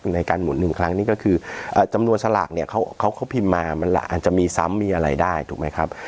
ในการหมุนหนึ่งครั้งนี้ก็คือจำนวนสลากเนี่ยเขาพิมพ์มามันอาจจะมีซ้ำมีอะไรได้ถูกไหมครับ